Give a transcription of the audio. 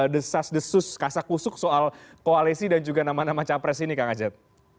the sus the sus kasak kusuk soal koalisi dan juga nama nama capres ini kang ajat